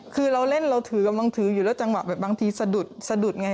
คือเราเล่นเราถือกำลังถืออยู่แล้วจังหวะแบบบางทีสะดุดสะดุดไง